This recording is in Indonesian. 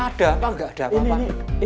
ada apa nggak ada apa apa